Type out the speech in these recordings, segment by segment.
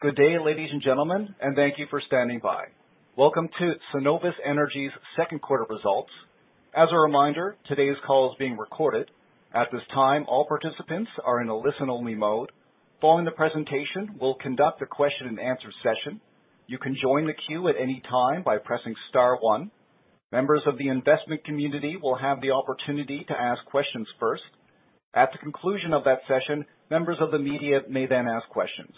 Good day, ladies and gentlemen, and thank you for standing by. Welcome to Cenovus Energy's second quarter results. As a reminder, today's call is being recorded. At this time, all participants are in a listen-only mode. Following the presentation, we'll conduct a question and answer session. You can join the queue at any time by pressing star one. Members of the investment community will have the opportunity to ask questions first. At the conclusion of that session, members of the media may then ask questions.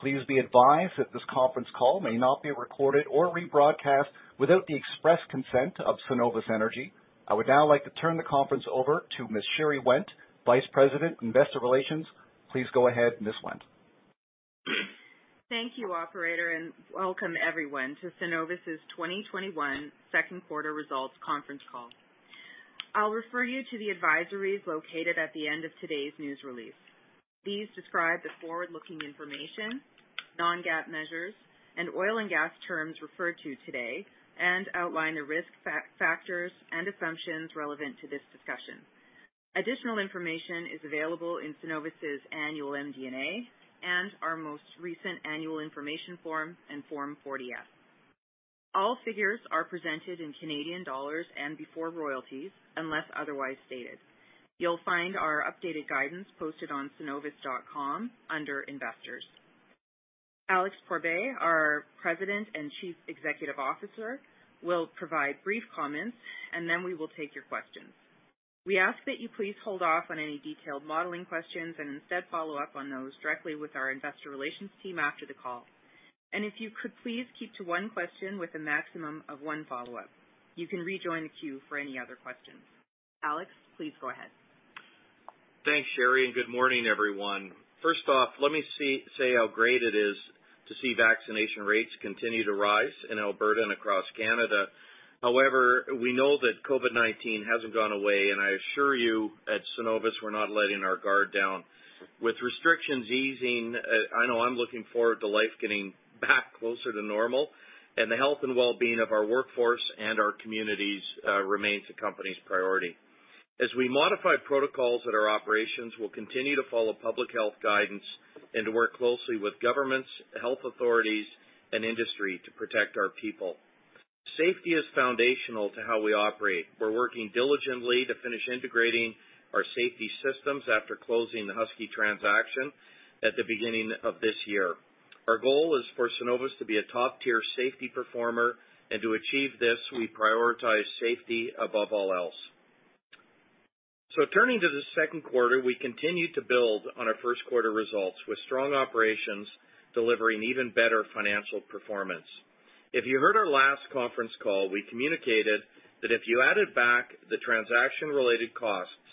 Please be advised that this conference call may not be recorded or rebroadcast without the express consent of Cenovus Energy. I would now like to turn the conference over to Ms. Sherry Wendt, Vice President, Investor Relations. Please go ahead, Ms. Wendt. Thank you, operator, and welcome everyone to Cenovus' 2021 second quarter results conference call. I'll refer you to the advisories located at the end of today's news release. These describe the forward-looking information, non-GAAP measures, and oil and gas terms referred to today and outline the risk factors and assumptions relevant to this discussion. Additional information is available in Cenovus' annual MD&A and our most recent annual information form and Form 40-F. All figures are presented in Canadian dollars and before royalties, unless otherwise stated. You'll find our updated guidance posted on cenovus.com under Investors. Alex Pourbaix, our President and Chief Executive Officer, will provide brief comments, and then we will take your questions. We ask that you please hold off on any detailed modeling questions, and instead follow up on those directly with our investor relations team after the call. If you could please keep to one question with a maximum of 1 follow-up. You can rejoin the queue for any other questions. Alex, please go ahead. Thanks, Sherry. Good morning, everyone. First off, let me say how great it is to see vaccination rates continue to rise in Alberta and across Canada. We know that COVID-19 hasn't gone away, and I assure you, at Cenovus, we're not letting our guard down. With restrictions easing, I know I'm looking forward to life getting back closer to normal and the health and wellbeing of our workforce and our communities remains the company's priority. As we modify protocols at our operations, we'll continue to follow public health guidance and to work closely with governments, health authorities, and industry to protect our people. Safety is foundational to how we operate. We're working diligently to finish integrating our safety systems after closing the Husky transaction at the beginning of this year. Our goal is for Cenovus to be a top-tier safety performer, and to achieve this, we prioritize safety above all else. Turning to the second quarter, we continued to build on our first quarter results with strong operations delivering even better financial performance. If you heard our last conference call, we communicated that if you added back the transaction-related costs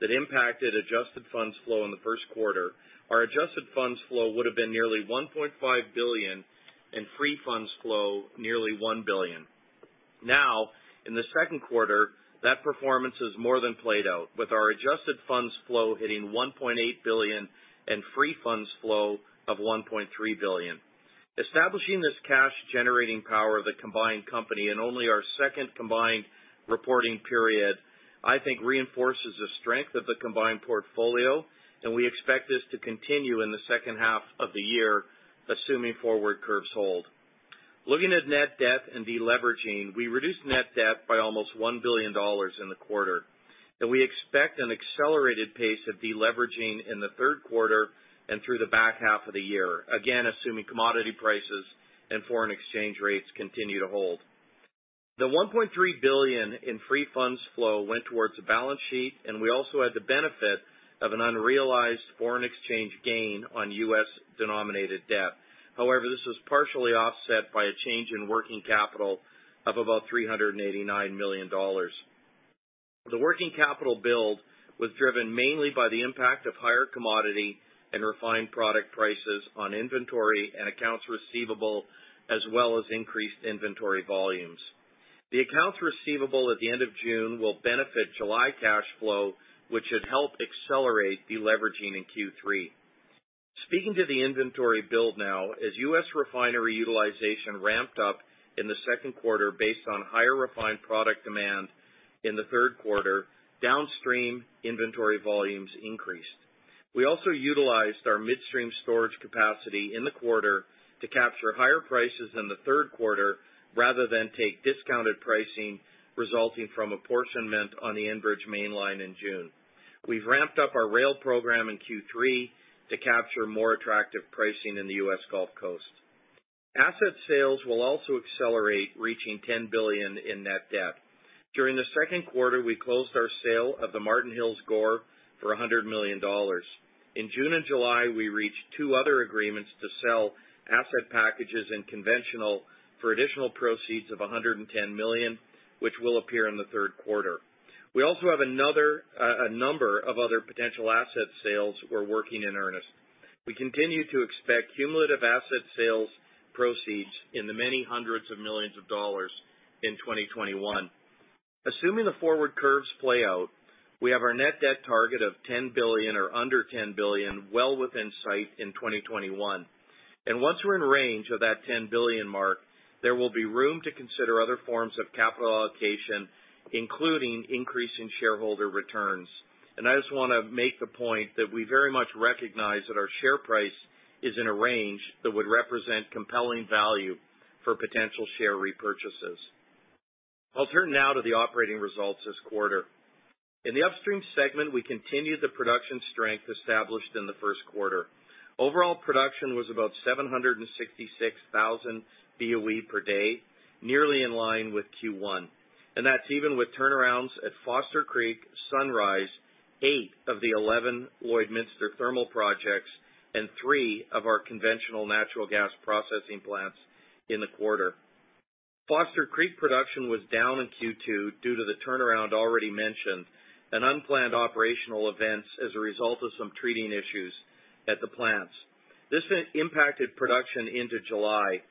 that impacted adjusted funds flow in the first quarter, our adjusted funds flow would've been nearly 1.5 billion, and free funds flow nearly 1 billion. In the second quarter, that performance has more than played out with our adjusted funds flow hitting 1.8 billion and free funds flow of 1.3 billion. Establishing this cash generating power of the combined company in only our second combined reporting period, I think reinforces the strength of the combined portfolio. We expect this to continue in the second half of the year, assuming forward curves hold. Looking at net debt and deleveraging, we reduced net debt by almost 1 billion dollars in the quarter. We expect an accelerated pace of deleveraging in the third quarter and through the back half of the year, again, assuming commodity prices and foreign exchange rates continue to hold. The 1.3 billion in free funds flow went towards the balance sheet. We also had the benefit of an unrealized foreign exchange gain on U.S.-denominated debt. This was partially offset by a change in working capital of about 389 million dollars. The working capital build was driven mainly by the impact of higher commodity and refined product prices on inventory and accounts receivable, as well as increased inventory volumes. The accounts receivable at the end of June will benefit July cash flow, which should help accelerate deleveraging in Q3. Speaking to the inventory build now, as U.S. refinery utilization ramped up in the second quarter based on higher refined product demand in the thirrd quarter, downstream inventory volumes increased. We also utilized our midstream storage capacity in the quarter to capture higher prices in the third quarter rather than take discounted pricing resulting from apportionment on the Enbridge Mainline in June. We've ramped up our rail program in Q3 to capture more attractive pricing in the U.S. Gulf Coast. Asset sales will also accelerate, reaching 10 billion in net debt. During the second quarter, we closed our sale of the Marten Hills GORR for 100 million dollars. In June and July, we reached two other agreements to sell asset packages in conventional for additional proceeds of 110 million, which will appear in the third quarter. We also have a number of other potential asset sales we're working in earnest. We continue to expect cumulative asset sales proceeds in the many hundreds of millions of CAD in 2021. Assuming the forward curves play out, we have our net debt target of 10 billion or under 10 billion well within sight in 2021. Once we're in range of that 10 billion mark, there will be room to consider other forms of capital allocation, including increasing shareholder returns. I just want to make the point that we very much recognize that our share price is in a range that would represent compelling value for potential share repurchases. I'll turn now to the operating results this quarter. In the upstream segment, we continued the production strength established in the first quarter. Overall production was about 766,000 BOE per day, nearly in line with Q1, and that's even with turnarounds at Foster Creek, Sunrise, eight of the 11 Lloydminster thermal projects, and three of our conventional natural gas processing plants in the quarter. Foster Creek production was down in Q2 due to the turnaround already mentioned and unplanned operational events as a result of some treating issues at the plants. This impacted production into July.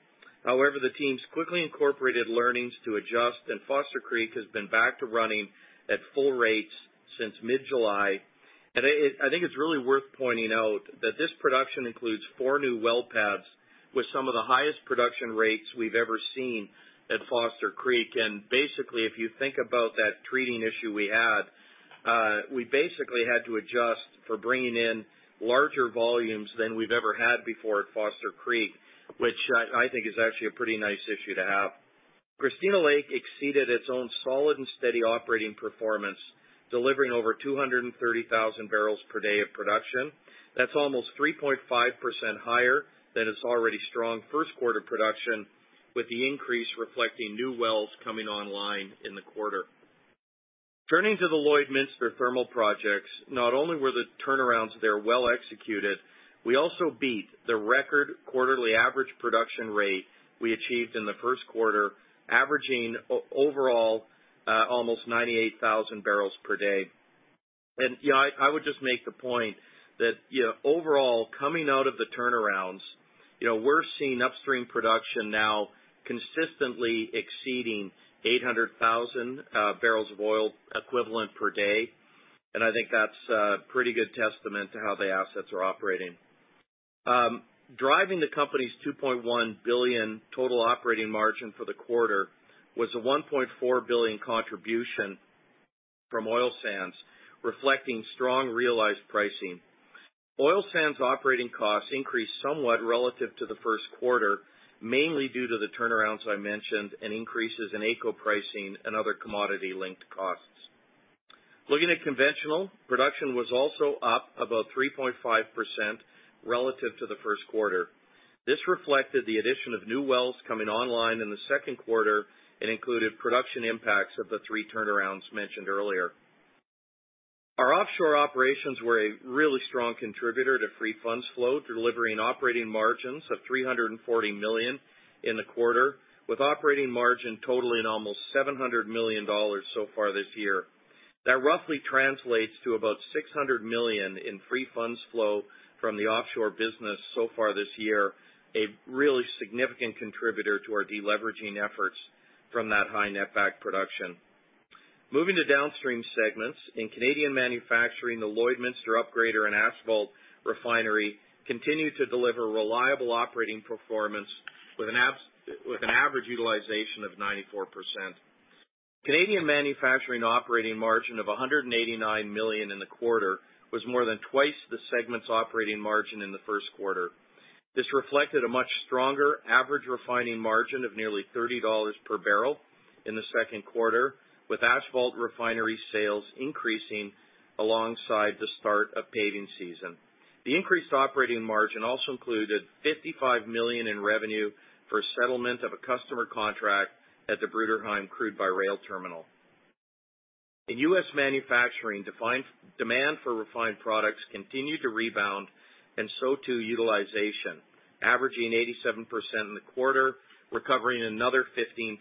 The teams quickly incorporated learnings to adjust, and Foster Creek has been back to running at full rates since mid-July. I think it's really worth pointing out that this production includes four new well pads with some of the highest production rates we've ever seen at Foster Creek. Basically, if you think about that treating issue we had, we basically had to adjust for bringing in larger volumes than we've ever had before at Foster Creek, which I think is actually a pretty nice issue to have. Christina Lake exceeded its own solid and steady operating performance, delivering over 230,000 bpd of production. That's almost 3.5% higher than its already strong first quarter production, with the increase reflecting new wells coming online in the quarter. Turning to the Lloydminster thermal projects. Not only were the turnarounds there well executed, we also beat the record quarterly average production rate we achieved in the first quarter, averaging overall, almost 98,000 bpd. Yeah, I would just make the point that overall, coming out of the turnarounds, we're seeing upstream production now consistently exceeding 800,000 barrels of oil equivalent per day. I think that's a pretty good testament to how the assets are operating. Driving the company's 2.1 billion total operating margin for the quarter was a 1.4 billion contribution from oil sands, reflecting strong realized pricing. Oil sands operating costs increased somewhat relative to the first quarter, mainly due to the turnarounds I mentioned and increases in AECO pricing and other commodity-linked costs. Looking at conventional, production was also up about 3.5% relative to the first quarter. This reflected the addition of new wells coming online in the second quarter and included production impacts of the three turnarounds mentioned earlier. Our offshore operations were a really strong contributor to free funds flow, delivering operating margins of 340 million in the quarter, with operating margin totaling almost 700 million dollars so far this year. That roughly translates to about 600 million in free funds flow from the offshore business so far this year, a really significant contributor to our deleveraging efforts from that high netback production. Moving to downstream segments. In Canadian Manufacturing, the Lloydminster Upgrader and asphalt refinery continued to deliver reliable operating performance with an average utilization of 94%. Canadian Manufacturing operating margin of 189 million in the quarter was more than twice the segment's operating margin in the first quarter. This reflected a much stronger average refining margin of nearly 30 dollars per barrel in the second quarter, with asphalt refinery sales increasing alongside the start of paving season. The increased operating margin also included 55 million in revenue for settlement of a customer contract at the Bruderheim crude-by-rail terminal. In U.S. Manufacturing, demand for refined products continued to rebound and so too utilization, averaging 87% in the quarter, recovering another 15%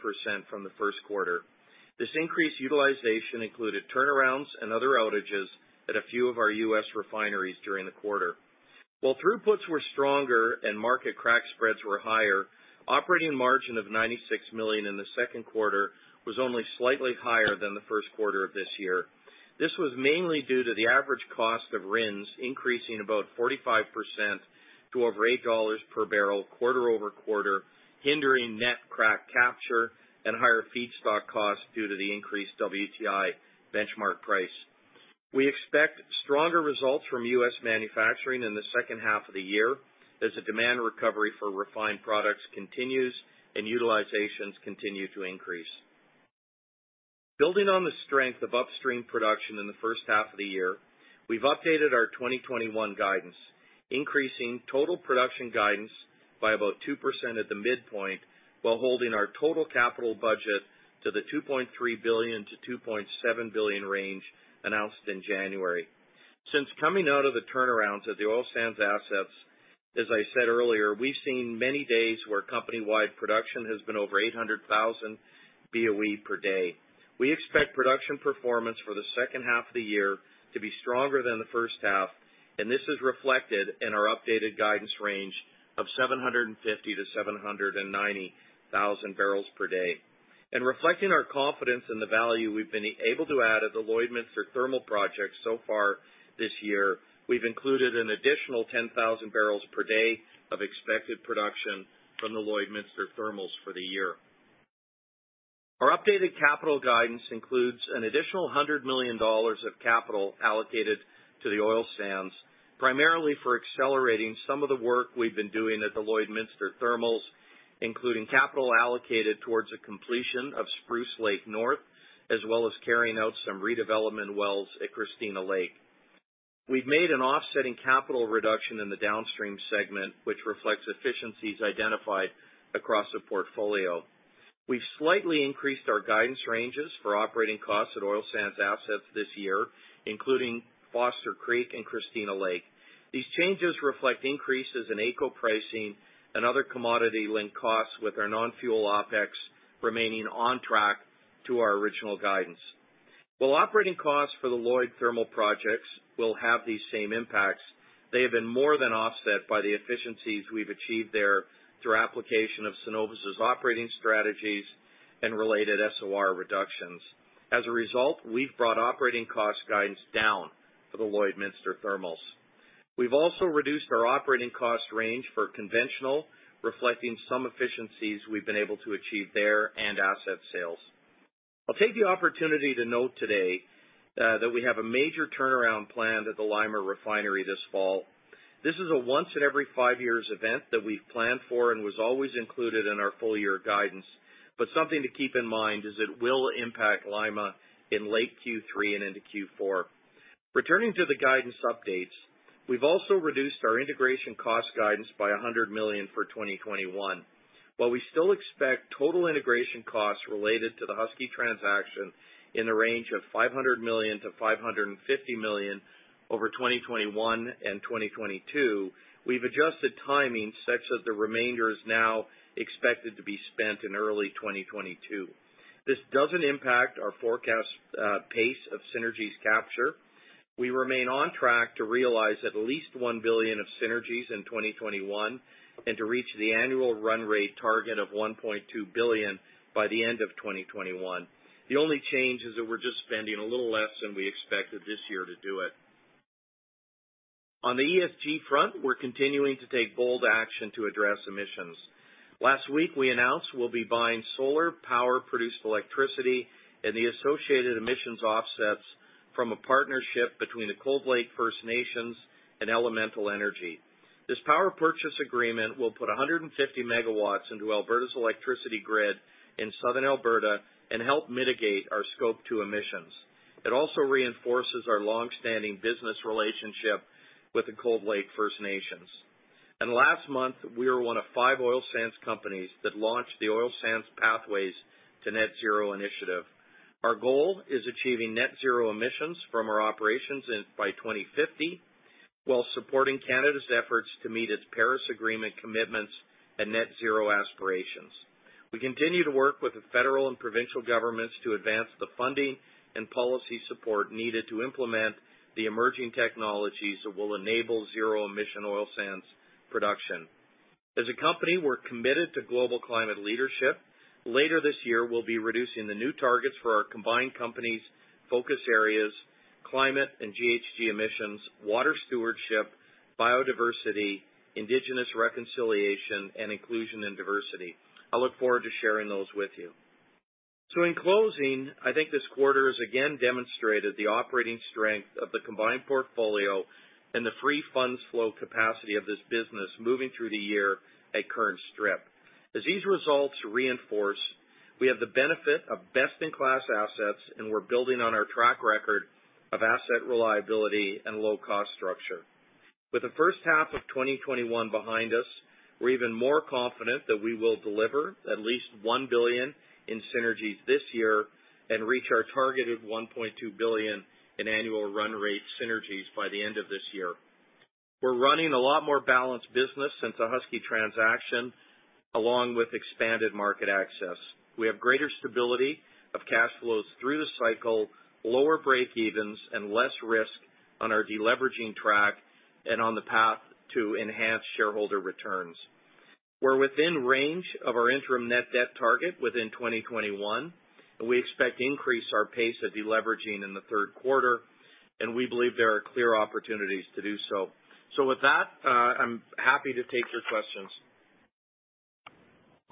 from the first quarter. This increased utilization included turnarounds and other outages at a few of our U.S. refineries during the quarter. While throughputs were stronger and market crack spreads were higher, operating margin of 96 million in the second quarter was only slightly higher than the 1st quarter of this year. This was mainly due to the average cost of RINs increasing about 45% to over $8 per barrel quarter-over-quarter, hindering net crack capture and higher feedstock costs due to the increased WTI benchmark price. We expect stronger results from U.S. Manufacturing in the second half of the year as the demand recovery for refined products continues and utilizations continue to increase. Building on the strength of upstream production in the first half of the year, we've updated our 2021 guidance, increasing total production guidance by about 2% at the midpoint, while holding our total capital budget to the 2.3 billion-2.7 billion range announced in January. Since coming out of the turnarounds at the oil sands assets, as I said earlier, we've seen many days where company-wide production has been over 800,000 BOE per day. We expect production performance for the second half of the year to be stronger than the first half. This is reflected in our updated guidance range of 750,000 bpd-790,000 bpd. Reflecting our confidence in the value we've been able to add at the Lloydminster Thermal project so far this year, we've included an additional 10,000 bpd of expected production from the Lloydminster Thermals for the year. Our updated capital guidance includes an additional 100 million dollars of capital allocated to the oil sands, primarily for accelerating some of the work we've been doing at the Lloydminster Thermals, including capital allocated towards the completion of Spruce Lake North, as well as carrying out some redevelopment wells at Christina Lake. We've made an offsetting capital reduction in the downstream segment, which reflects efficiencies identified across the portfolio. We've slightly increased our guidance ranges for operating costs at oil sands assets this year, including Foster Creek and Christina Lake. These changes reflect increases in AECO pricing and other commodity-linked costs with our non-fuel OpEx remaining on track to our original guidance. While operating costs for the Lloyd Thermal projects will have these same impacts, they have been more than offset by the efficiencies we've achieved there through application of Cenovus' operating strategies and related SOR reductions. As a result, we've brought operating cost guidance down for the Lloydminster Thermals. We've also reduced our operating cost range for conventional, reflecting some efficiencies we've been able to achieve there and asset sales. I'll take the opportunity to note today that we have a major turnaround planned at the Lima Refinery this fall. This is a once in every five years event that we've planned for and was always included in our full year guidance. Something to keep in mind is it will impact Lima in late Q3 and into Q4. Returning to the guidance updates, we've also reduced our integration cost guidance by 100 million for 2021. While we still expect total integration costs related to the Husky transaction in the range of 500 million-550 million over 2021 and 2022, we've adjusted timing such that the remainder is now expected to be spent in early 2022. This doesn't impact our forecast pace of synergies capture. We remain on track to realize at least 1 billion of synergies in 2021, and to reach the annual run rate target of 1.2 billion by the end of 2021. The only change is that we're just spending a little less than we expected this year to do it. On the ESG front, we're continuing to take bold action to address emissions. Last week, we announced we'll be buying solar power-produced electricity and the associated emissions offsets from a partnership between the Cold Lake First Nations and Elemental Energy. This power purchase agreement will put 150 megawatts into Alberta's electricity grid in Southern Alberta and help mitigate our Scope 2 emissions. It also reinforces our long-standing business relationship with the Cold Lake First Nations. Last month, we were one of five oil sands companies that launched the Oil Sands Pathways to Net Zero initiative. Our goal is achieving net zero emissions from our operations by 2050, while supporting Canada's efforts to meet its Paris Agreement commitments and net zero aspirations. We continue to work with the federal and provincial governments to advance the funding and policy support needed to implement the emerging technologies that will enable zero-emission oil sands production. As a company, we're committed to global climate leadership. Later this year, we'll be reducing the new targets for our combined company's focus areas, climate and GHG emissions, water stewardship, biodiversity, indigenous reconciliation, and inclusion and diversity. I look forward to sharing those with you. In closing, I think this quarter has again demonstrated the operating strength of the combined portfolio and the free funds flow capacity of this business moving through the year at current strip. As these results reinforce, we have the benefit of best-in-class assets, and we're building on our track record of asset reliability and low-cost structure. With the first half of 2021 behind us, we're even more confident that we will deliver at least 1 billion in synergies this year and reach our targeted 1.2 billion in annual run rate synergies by the end of this year. We're running a lot more balanced business since the Husky transaction, along with expanded market access. We have greater stability of cash flows through the cycle, lower breakevens, and less risk on our deleveraging track and on the path to enhanced shareholder returns. We're within range of our interim net debt target within 2021, and we expect to increase our pace of deleveraging in the third quarter, and we believe there are clear opportunities to do so. With that, I'm happy to take your questions.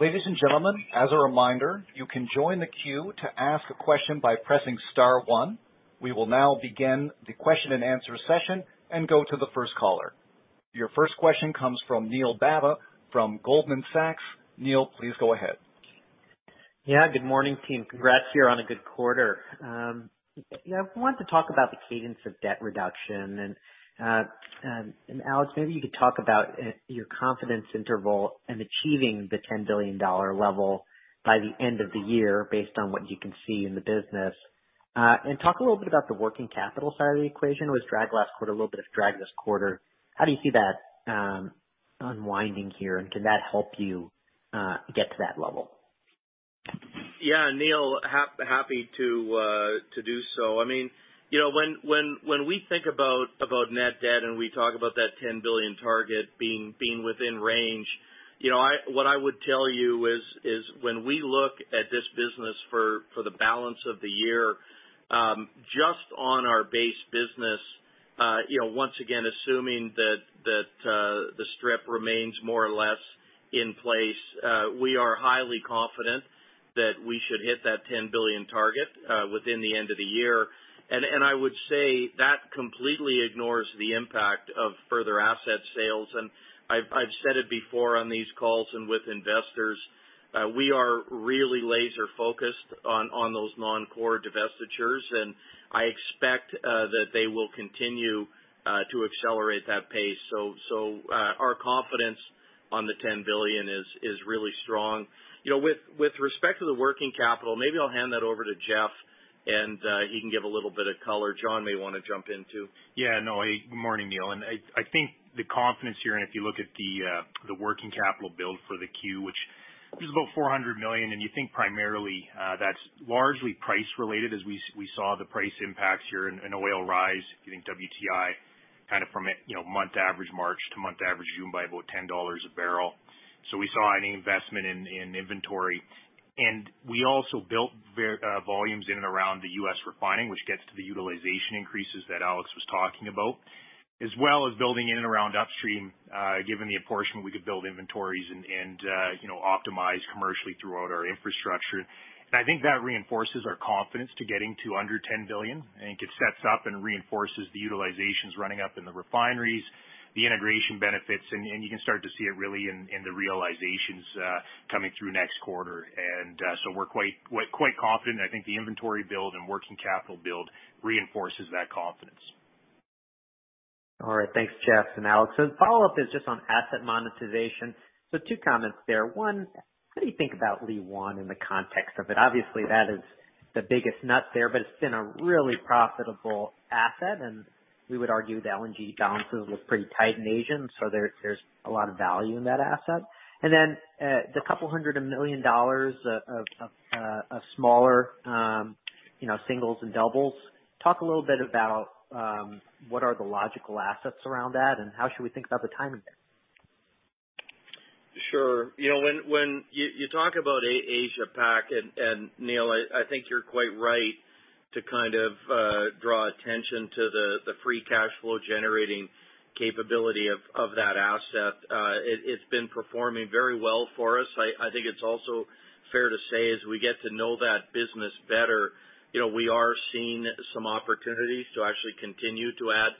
Ladies and gentlemen, as a reminder, you can join the queue to ask a question by pressing star one. We will now begin the question and answer session and go to the first caller. Your first question comes from Neil Mehta from Goldman Sachs. Neil, please go ahead. Yeah, good morning, team. Congrats here on a good quarter. Yeah, I wanted to talk about the cadence of debt reduction. Alex, maybe you could talk about your confidence interval in achieving the 10 billion dollar level by the end of the year based on what you can see in the business. Talk a little bit about the working capital side of the equation. It was a little bit of drag this quarter. How do you see that unwinding here, and can that help you get to that level? Yeah, Neil. Happy to do so. When we think about net debt and we talk about that 10 billion target being within range. What I would tell you is when we look at this business for the balance of the year, just on our base business, once again assuming that the strip remains more or less in place, we are highly confident that we should hit that 10 billion target within the end of the year. I would say that completely ignores the impact of further asset sales. I've said it before on these calls and with investors, we are really laser focused on those non-core divestitures, and I expect that they will continue to accelerate that pace. Our confidence on the 10 billion is really strong. With respect to the working capital, maybe I'll hand that over to Jeff, and he can give a little bit of color. Jon may want to jump in, too. Yeah, no. Good morning, Neil. I think the confidence here, and if you look at the working capital build for the Q, which is about 400 million, and you think primarily that's largely price related as we saw the price impacts here in oil rise, getting WTI kind of from a month average March to month average June by about 10 dollars a barrel. We saw an investment in inventory. We also built volumes in and around the U.S. refining, which gets to the utilization increases that Alex was talking about, as well as building in and around upstream, given the apportionment we could build inventories and optimize commercially throughout our infrastructure. I think that reinforces our confidence to getting to under 10 billion. I think it sets up and reinforces the utilizations running up in the refineries, the integration benefits, and you can start to see it really in the realizations coming through next quarter. We're quite confident. I think the inventory build and working capital build reinforces that confidence. All right. Thanks, Jeff and Alex. The follow-up is just on asset monetization. Two comments there. One, how do you think about Liwan in the context of it? Obviously, that is the biggest nut there, but it's been a really profitable asset, and we would argue the LNG balances look pretty tight in Asia, so there's a lot of value in that asset. The couple hundred of million CAD of smaller singles and doubles. Talk a little bit about what are the logical assets around that, and how should we think about the timing there? Sure. When you talk about Asia Pac, Neil, I think you're quite right to kind of draw attention to the free cash flow generating capability of that asset. It's been performing very well for us. I think it's also fair to say as we get to know that business better, we are seeing some opportunities to actually continue to add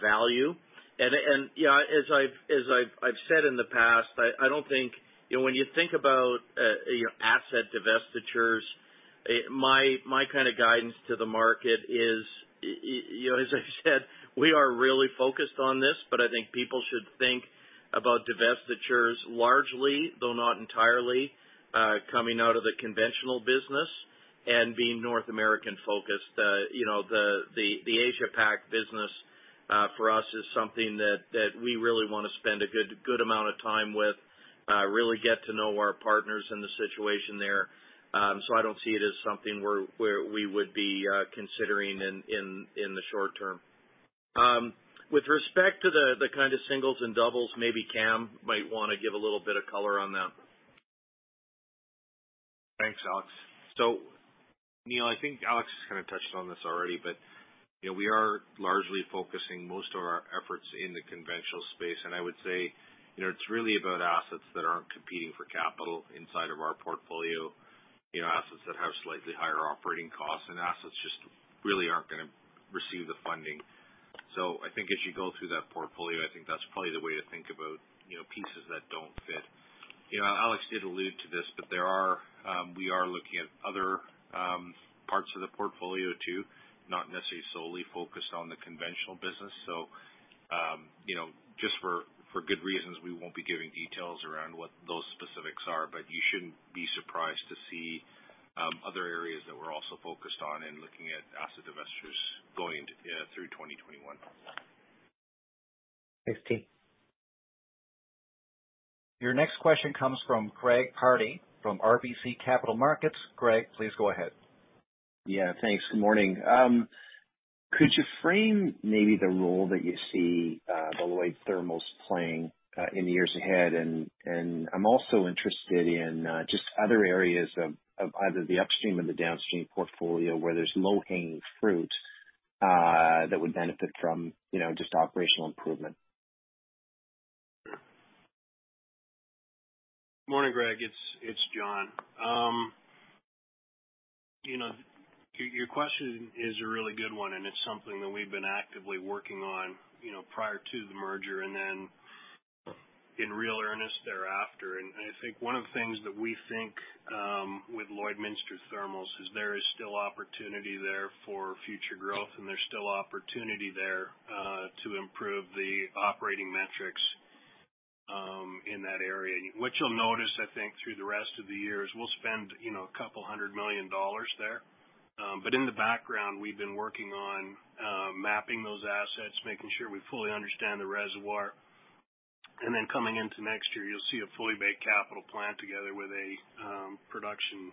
value. Yeah, as I've said in the past, when you think about asset divestitures, my kind of guidance to the market is, as I said, we are really focused on this, but I think people should think about divestitures largely, though not entirely, coming out of the conventional business and being North American focused. The Asia Pac business for us is something that we really want to spend a good amount of time with, really get to know our partners and the situation there. I don't see it as something where we would be considering in the short term. With respect to the kind of singles and doubles, maybe Kam might want to give a little bit of color on that. Thanks, Alex. Neil, I think Alex has kind of touched on this already. We are largely focusing most of our efforts in the conventional space. I would say it's really about assets that aren't competing for capital inside of our portfolio, assets that have slightly higher operating costs and assets just really aren't going to receive the funding. I think as you go through that portfolio, I think that's probably the way to think about pieces that don't fit. Alex did allude to this. We are looking at other parts of the portfolio, too, not necessarily solely focused on the conventional business. Just for good reasons, we won't be giving details around what those specifics are. You shouldn't be surprised to see other areas that we're also focused on in looking at asset divestitures going through 2021. Thanks. Your next question comes from Greg Pardy from RBC Capital Markets. Greg, please go ahead. Yeah. Thanks. Good morning. Could you frame maybe the role that you see the Lloyd Thermals playing in years ahead? I'm also interested in just other areas of either the upstream or the downstream portfolio where there's low-hanging fruit that would benefit from just operational improvement. Morning, Greg. It's Jon. Your question is a really good one, and it's something that we've been actively working on prior to the merger and then in real earnest thereafter. I think one of the things that we think with Lloydminster Thermals is there is still opportunity there for future growth and there's still opportunity there to improve the operating metrics in that area. What you'll notice, I think, through the rest of the year is we'll spend a couple hundred million CAD there. In the background, we've been working on mapping those assets, making sure we fully understand the reservoir. Then coming into next year, you'll see a fully baked capital plan together with a production.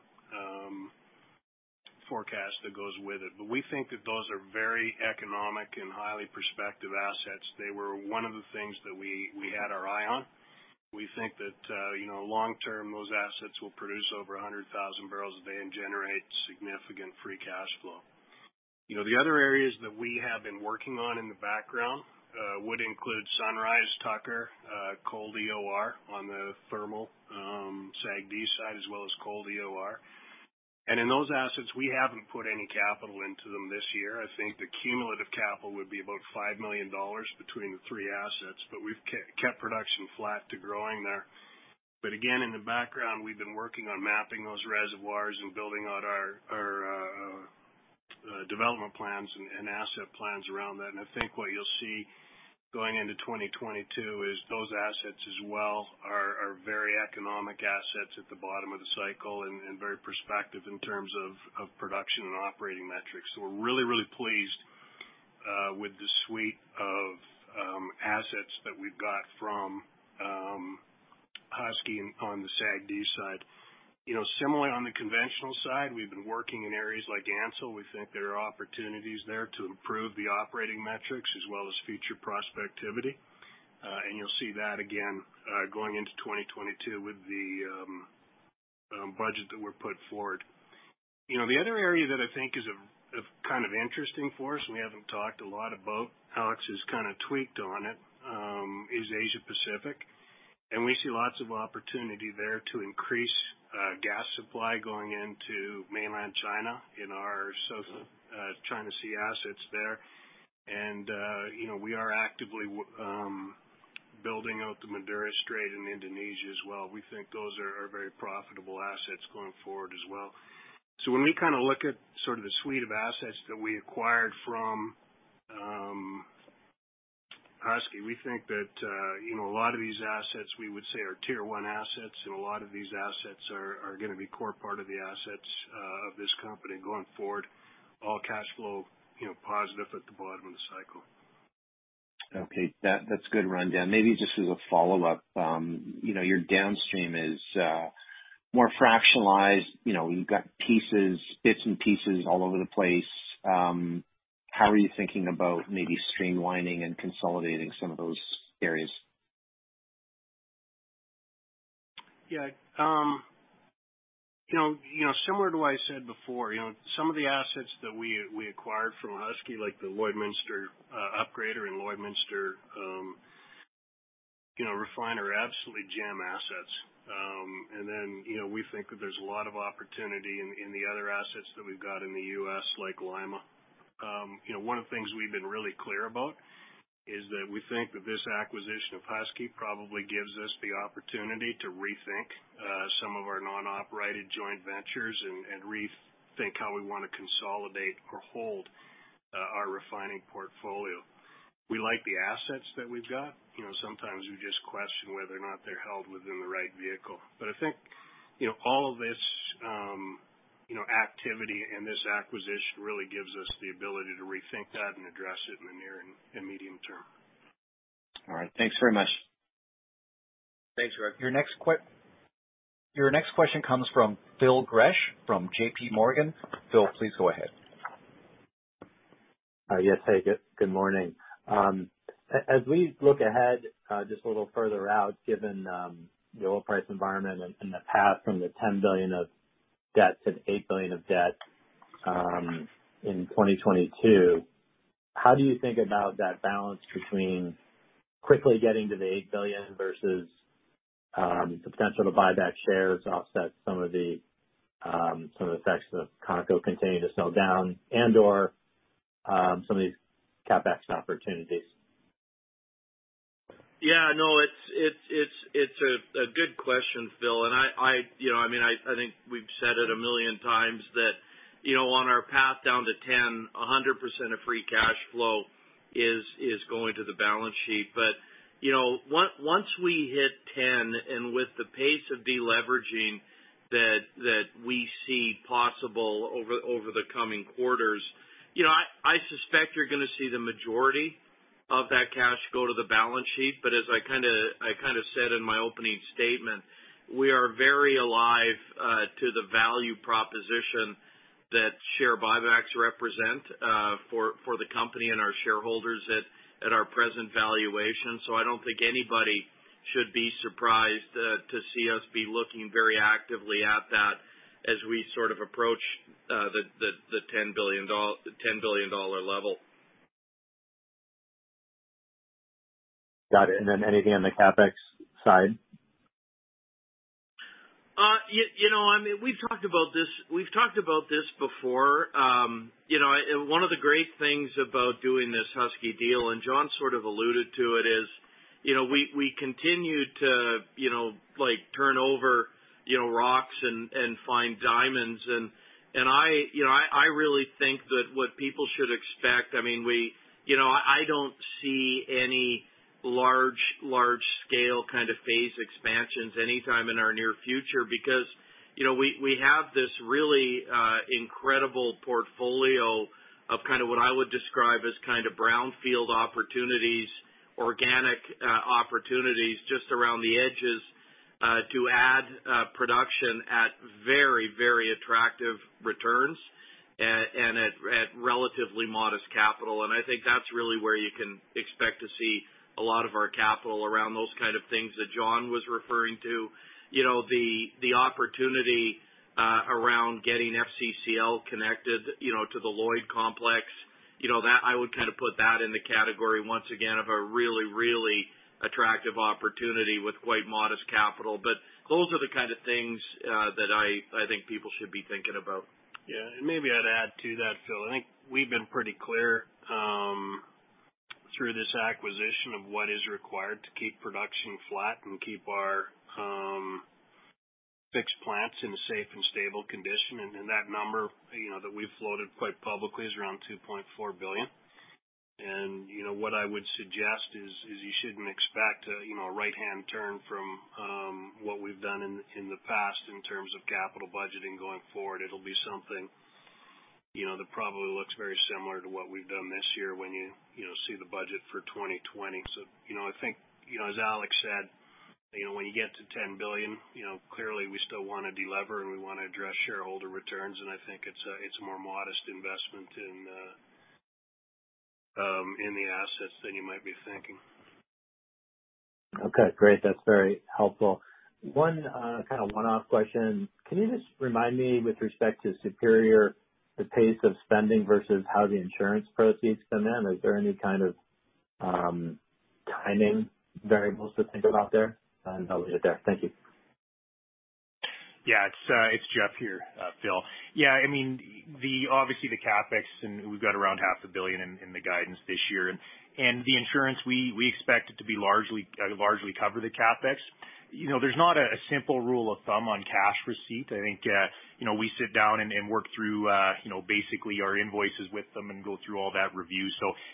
Forecast that goes with it. We think that those are very economic and highly prospective assets. They were one of the things that we had our eye on. We think that long-term, those assets will produce over 100,000 bpd and generate significant free cash flow. The other areas that we have been working on in the background would include Sunrise, Tucker, Cold/EOR on the thermal SAGD side, as well as Cold/EOR. In those assets, we haven't put any capital into them this year. I think the cumulative capital would be about 5 million dollars between the three assets, but we've kept production flat to growing there. Again, in the background, we've been working on mapping those reservoirs and building out our development plans and asset plans around that. I think what you'll see going into 2022 is those assets as well are very economic assets at the bottom of the cycle and very prospective in terms of production and operating metrics. We're really, really pleased with the suite of assets that we've got from Husky on the SAGD side. Similarly, on the conventional side, we've been working in areas like Ansell. We think there are opportunities there to improve the operating metrics as well as future prospectivity. You'll see that again going into 2022 with the budget that were put forward. The other area that I think is interesting for us, and we haven't talked a lot about, Alex has kind of tweaked on it, is Asia Pacific. We see lots of opportunity there to increase gas supply going into mainland China in our South China Sea assets there. We are actively building out the Madura Strait in Indonesia as well. We think those are very profitable assets going forward as well. When we look at sort of the suite of assets that we acquired from Husky, we think that a lot of these assets, we would say, are Tier 1 assets, and a lot of these assets are going to be core part of the assets of this company going forward, all cash flow positive at the bottom of the cycle. Okay. That's good rundown. Maybe just as a follow-up. Your downstream is more fractionalized. You've got bits and pieces all over the place. How are you thinking about maybe streamlining and consolidating some of those areas? Yeah. Similar to what I said before, some of the assets that we acquired from Husky, like the Lloydminster Upgrader and Lloydminster Refiner, absolutely gem assets. We think that there's a lot of opportunity in the other assets that we've got in the U.S., like Lima. One of the things we've been really clear about is that we think that this acquisition of Husky probably gives us the opportunity to rethink some of our non-operated joint ventures and rethink how we want to consolidate or hold our refining portfolio. We like the assets that we've got. Sometimes we just question whether or not they're held within the right vehicle. I think all of this activity and this acquisition really gives us the ability to rethink that and address it in the near and medium term. All right. Thanks very much. Thanks, Greg. Your next question comes from Phil Gresh from JPMorgan. Phil, please go ahead. Yes. Hey, good morning. As we look ahead, just a little further out, given the oil price environment and the path from the 10 billion of debt to the 8 billion of debt in 2022, how do you think about that balance between quickly getting to the 8 billion versus the potential to buy back shares to offset some of the effects of ConocoPhillips continuing to slow down and/or some of these CapEx opportunities? No, it's a good question, Phil. I think we've said it a million times that on our path down to 10 billion, 100% of free cash flow is going to the balance sheet. Once we hit 10 billion, and with the pace of deleveraging that we see possible over the coming quarters, I suspect you're going to see the majority of that cash go to the balance sheet. As I said in my opening statement, we are very alive to the value proposition that share buybacks represent for the company and our shareholders at our present valuation. I don't think anybody should be surprised to see us be looking very actively at that as we sort of approach the CAD 10 billion level. Got it. Anything on the CapEx side? We've talked about this before. One of the great things about doing this Husky deal, and Jon sort of alluded to it, is we continue to turn over rocks and find diamonds. I really think that what people should expect. I don't see any large-scale kind of phase expansions anytime in our near future because we have this really incredible portfolio of what I would describe as brownfield opportunities, organic opportunities just around the edges. To add production at very, very attractive returns and at relatively modest capital. I think that's really where you can expect to see a lot of our capital around those kind of things that Jon was referring to. The opportunity around getting FCCL connected to the Lloyd complex, I would put that in the category, once again, of a really, really attractive opportunity with quite modest capital. Those are the kind of things that I think people should be thinking about. Yeah. Maybe I'd add to that, Phil. I think we've been pretty clear through this acquisition of what is required to keep production flat and keep our fixed plants in a safe and stable condition. That number that we've floated quite publicly is around 2.4 billion. What I would suggest is, you shouldn't expect a right-hand turn from what we've done in the past in terms of capital budgeting going forward. It'll be something that probably looks very similar to what we've done this year when you see the budget for 2020. I think, as Alex said, when you get to 10 billion, clearly we still want to delever and we want to address shareholder returns, and I think it's a more modest investment in the assets than you might be thinking. Okay, great. That's very helpful. One kind of one-off question. Can you just remind me with respect to Superior, the pace of spending versus how the insurance proceeds come in? Is there any kind of timing variables to think about there? I'll leave it there. Thank you. Yeah, it's Jeff here, Phil. Yeah, obviously the CapEx, we've got around 500 million in the guidance this year. The insurance, we expect it to largely cover the CapEx. There's not a simple rule of thumb on cash receipt. I think we sit down and work through basically our invoices with them and go through all that review.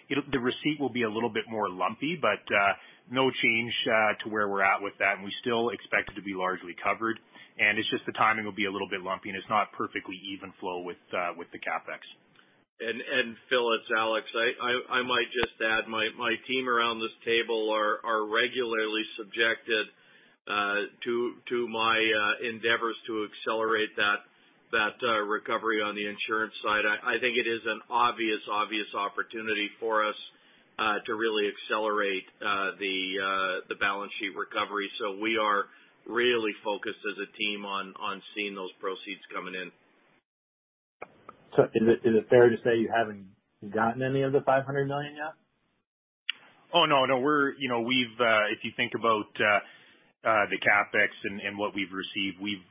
The receipt will be a little bit more lumpy, but no change to where we're at with that, and we still expect it to be largely covered. It's just the timing will be a little bit lumpy, and it's not perfectly even flow with the CapEx. Phil, it's Alex. I might just add, my team around this table are regularly subjected to my endeavors to accelerate that recovery on the insurance side. I think it is an obvious opportunity for us to really accelerate the balance sheet recovery. We are really focused as a team on seeing those proceeds coming in. Is it fair to say you haven't gotten any of the 500 million yet? Oh, no. If you think about the CapEx and what we've received, we've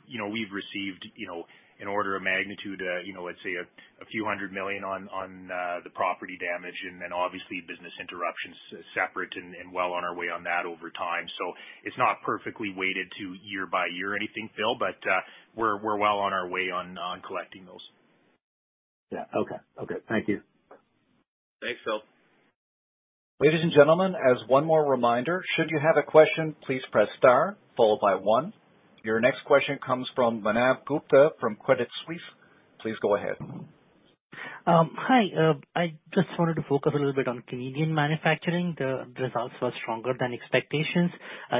received an order of magnitude of, let's say, a few hundred million on the property damage, and then obviously business interruption's separate and well on our way on that over time. It's not perfectly weighted to year by year or anything, Phil, but we're well on our way on collecting those. Yeah. Okay. Thank you. Thanks, Phil. Ladies and gentlemen, as one more reminder, should you have a question, please press star followed by one. Your next question comes from Manav Gupta from Credit Suisse. Please go ahead. Hi. I just wanted to focus a little bit on Canadian manufacturing. The results were stronger than expectations.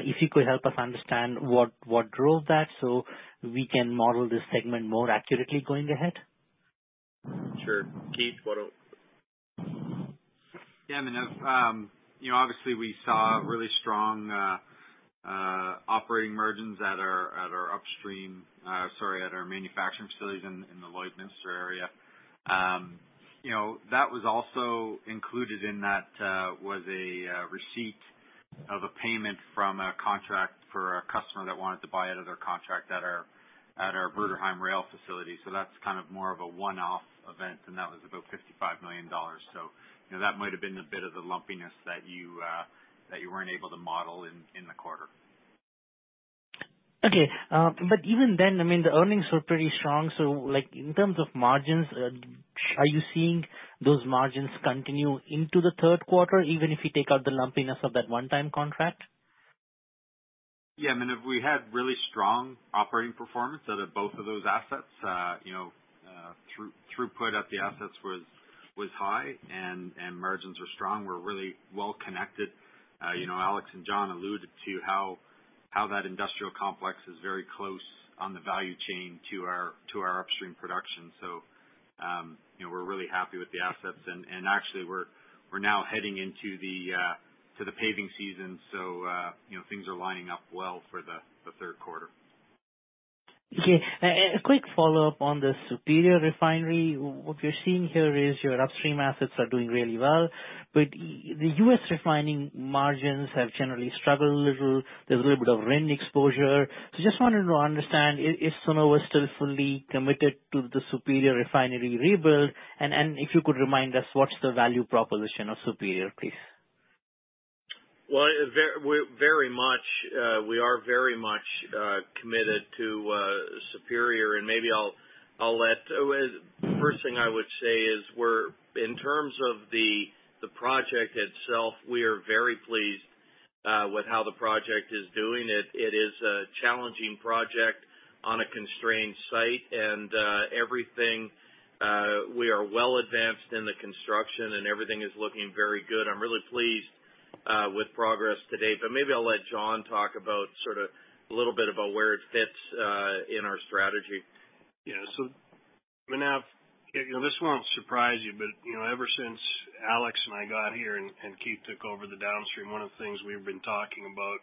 If you could help us understand what drove that so we can model this segment more accurately going ahead. Sure. Keith, what are Yeah, Manav. Obviously we saw really strong operating margins at our upstream, at our manufacturing facilities in the Lloydminster area. That was also included in that was a receipt of a payment from a contract for a customer that wanted to buy out of their contract at our Bruderheim rail facility. That's kind of more of a one-off event, and that was about 55 million dollars. That might have been a bit of the lumpiness that you weren't able to model in the quarter. Okay. Even then, the earnings were pretty strong. In terms of margins, are you seeing those margins continue into the third quarter, even if you take out the lumpiness of that one-time contract? Yeah, Manav, we had really strong operating performance out of both of those assets. Throughput at the assets was high and margins were strong. We're really well connected. Alex and Jon alluded to how that industrial complex is very close on the value chain to our upstream production. We're really happy with the assets. Actually, we're now heading into the paving season, so things are lining up well for the third quarter. Okay. A quick follow-up on the Superior Refinery. What we're seeing here is your upstream assets are doing really well. The U.S. refining margins have generally struggled a little. There's a little bit of RIN exposure. Just wanted to understand if Cenovus is still fully committed to the Superior Refinery rebuild, and if you could remind us what's the value proposition of Superior, please? Well, we are very much committed to Superior. First thing I would say is in terms of the project itself, we are very pleased with how the project is doing. It is a challenging project. On a constrained site, and we are well advanced in the construction, and everything is looking very good. I'm really pleased with progress to date, but maybe I'll let Jon talk a little bit about where it fits in our strategy. Yeah. Manav, this won't surprise you, ever since Alex and I got here and Keith took over the downstream, one of the things we've been talking about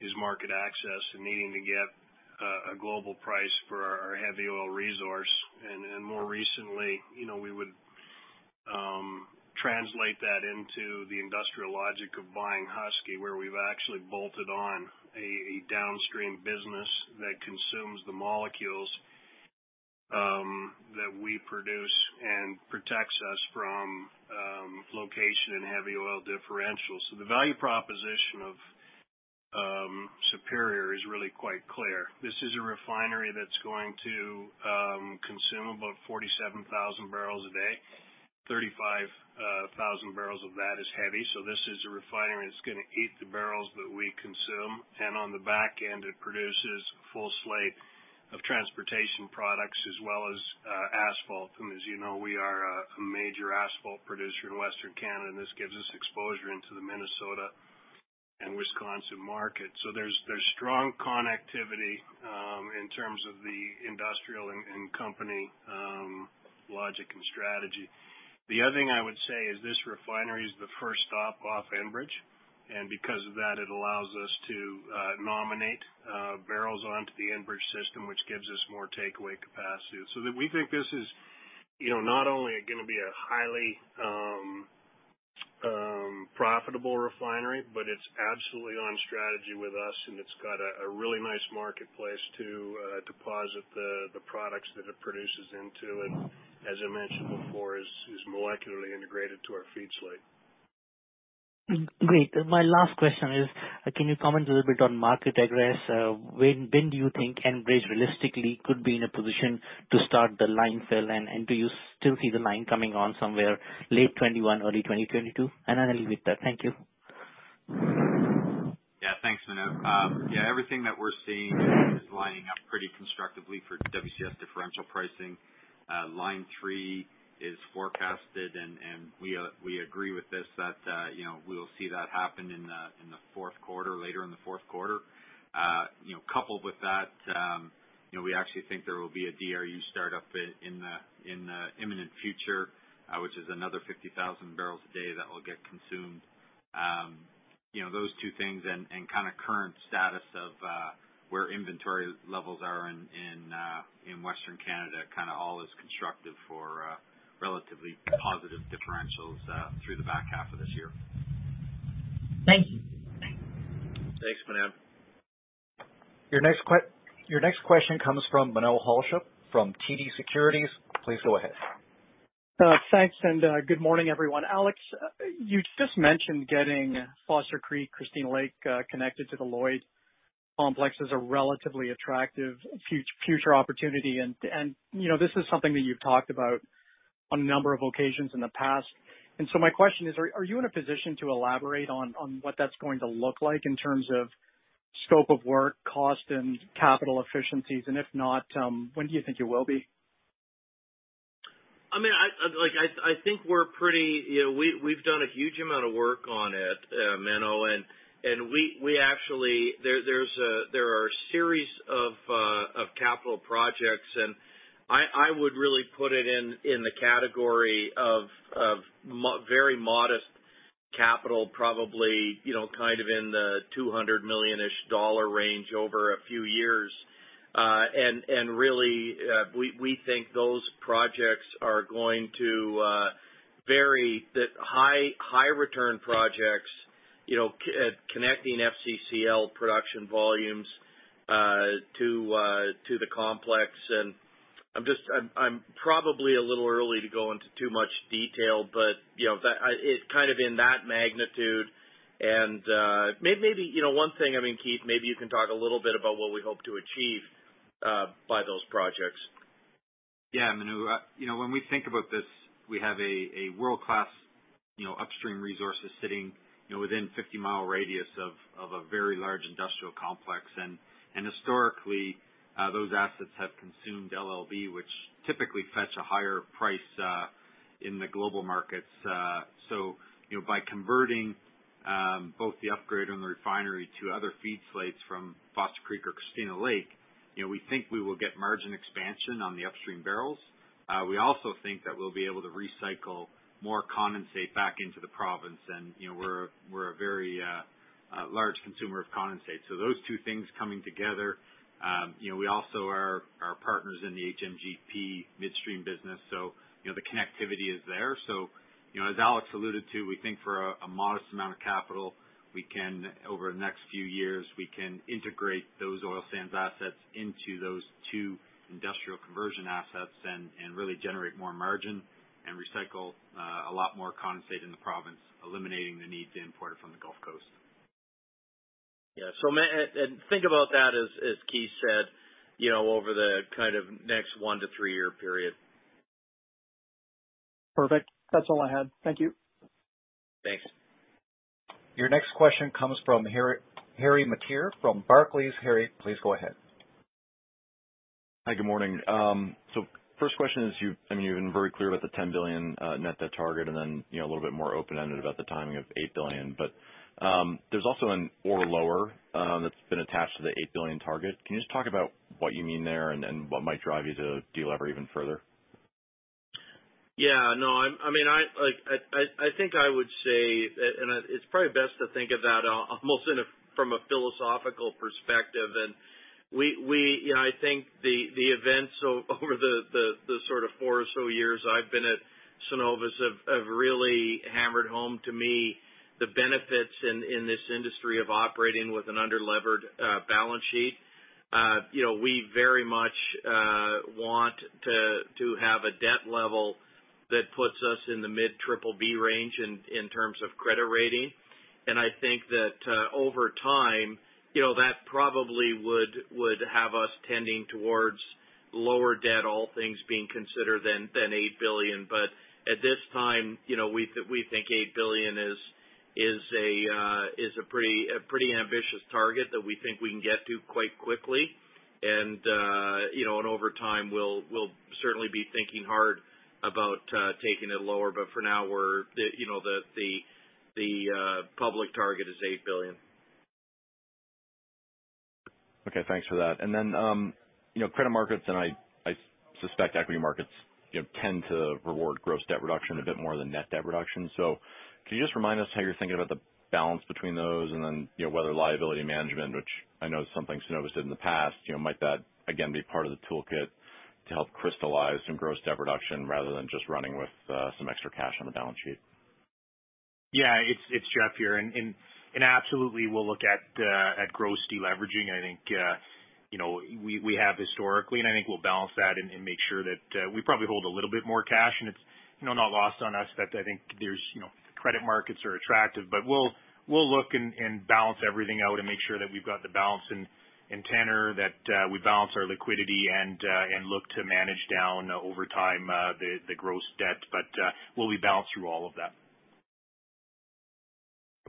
is market access and needing to get a global price for our heavy oil resource. More recently, we would translate that into the industrial logic of buying Husky, where we've actually bolted on a downstream business that consumes the molecules that we produce and protects us from location and heavy oil differentials. The value proposition of Superior is really quite clear. This is a refinery that's going to consume about 47,000 bpd. 35,000 barrels of that is heavy. This is a refinery that's going to eat the barrels that we consume. On the back end, it produces a full slate of transportation products as well as asphalt. As you know, we are a major asphalt producer in Western Canada, and this gives us exposure into the Minnesota and Wisconsin market. There's strong connectivity, in terms of the industrial and company logic and strategy. The other thing I would say is this refinery is the first stop off Enbridge. Because of that, it allows us to nominate barrels onto the Enbridge system, which gives us more takeaway capacity. We think this is not only going to be a highly profitable refinery, but it's absolutely on strategy with us, and it's got a really nice marketplace to deposit the products that it produces into and, as I mentioned before, is molecularly integrated to our feed slate. Great. My last question is, can you comment a little bit on market address? When do you think Enbridge realistically could be in a position to start the line fill? Do you still see the line coming on somewhere late 2021, early 2022? Then I'll leave it there. Thank you. Thanks, Manav. Everything that we're seeing is lining up pretty constructively for WCS differential pricing. Line 3 is forecasted, and we agree with this, that we will see that happen later in the fourth quarter. Coupled with that, we actually think there will be a DRU startup in the imminent future, which is another 50,000 bpd that will get consumed. Those two things and current status of where inventory levels are in Western Canada, all is constructive for relatively positive differentials through the back half of this year. Thank you. Thanks, Manav. Your next question comes from Menno Hulshof from TD Securities. Please go ahead. Thanks. Good morning, everyone. Alex, you just mentioned getting Foster Creek Christina Lake connected to the Lloyd complex as a relatively attractive future opportunity, and this is something that you've talked about on a number of occasions in the past. My question is, are you in a position to elaborate on what that's going to look like in terms of scope of work, cost, and capital efficiencies? If not, when do you think you will be? I think we've done a huge amount of work on it, Menno. There are a series of capital projects. I would really put it in the category of very modest capital, probably in the 200 million dollar-ish range over a few years. Really, we think those projects are going to vary. The high return projects, connecting FCCL production volumes to the complex. I'm probably a little early to go into too much detail, but it's in that magnitude. One thing, Keith, maybe you can talk a little bit about what we hope to achieve by those projects. Yeah, Menno. When we think about this, we have a world-class upstream resources sitting within 50-mile radius of a very large industrial complex. Historically, those assets have consumed LLS, which typically fetch a higher price in the global markets. By converting both the upgrader and the refinery to other feed slates from Foster Creek or Christina Lake, we think we will get margin expansion on the upstream barrels. We also think that we'll be able to recycle more condensate back into the province, and we're a very large consumer of condensate. Those two things coming together. We also are partners in the HMGP midstream business. The connectivity is there. As Alex alluded to, we think for a modest amount of capital, over the next few years, we can integrate those oil sands assets into those two industrial conversion assets and really generate more margin and recycle a lot more condensate in the province, eliminating the need to import it from the Gulf Coast. Yeah. Think about that as, Keith said, over the next one to three-year period. Perfect. That's all I had. Thank you. Thanks. Your next question comes from Harry Mateer from Barclays. Harry, please go ahead. Hi, good morning. First question is, you've been very clear about the 10 billion net debt target and then a little bit more open-ended about the timing of 8 billion, but there's also an or lower that's been attached to the 8 billion target. Can you just talk about what you mean there and what might drive you to delever even further? Yeah. I think I would say that, and it's probably best to think about almost from a philosophical perspective. I think the events over the sort of four or so years I've been at Cenovus have really hammered home to me the benefits in this industry of operating with an under-levered balance sheet. We very much want to have a debt level that puts us in the mid BBB range in terms of credit rating. I think that over time, that probably would have us tending towards lower debt, all things being considered, than 8 billion. At this time, we think 8 billion is a pretty ambitious target that we think we can get to quite quickly. Over time, we'll certainly be thinking hard about taking it lower. For now, the public target is 8 billion. Okay, thanks for that. Credit markets, I suspect equity markets tend to reward gross debt reduction a bit more than net debt reduction. Can you just remind us how you're thinking about the balance between those whether liability management, which I know is something Cenovus did in the past, might that again be part of the toolkit to help crystallize some gross debt reduction rather than just running with some extra cash on the balance sheet? Yeah. It's Jeff here. Absolutely, we'll look at gross deleveraging. I think we have historically, and I think we'll balance that and make sure that we probably hold a little bit more cash. It's not lost on us that I think credit markets are attractive, but we'll look and balance everything out and make sure that we've got the balance in tenor, that we balance our liquidity and look to manage down over time the gross debt. We'll rebalance through all of that.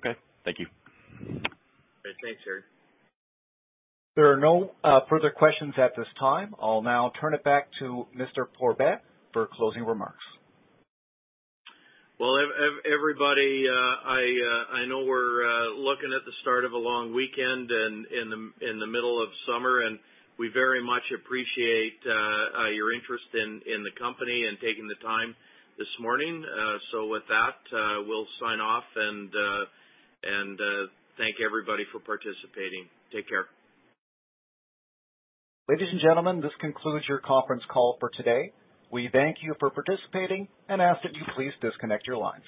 Okay. Thank you. Okay. Thanks, Harry. There are no further questions at this time. I'll now turn it back to Mr. Pourbaix for closing remarks. Well, everybody, I know we're looking at the start of a long weekend and in the middle of summer, and we very much appreciate your interest in the company and taking the time this morning. With that, we'll sign off and thank everybody for participating. Take care. Ladies and gentlemen, this concludes your conference call for today. We thank you for participating and ask that you please disconnect your lines.